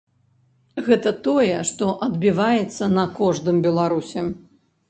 Гэта тое, што адбіваецца на кожным беларусе.